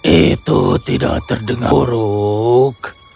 itu tidak terdengar buruk